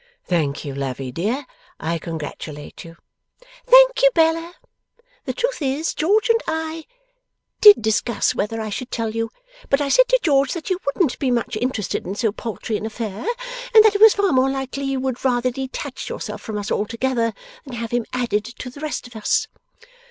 'Thank you, Lavvy dear. I congratulate you.' 'Thank you, Bella. The truth is, George and I did discuss whether I should tell you; but I said to George that you wouldn't be much interested in so paltry an affair, and that it was far more likely you would rather detach yourself from us altogether, than have him added to the rest of us.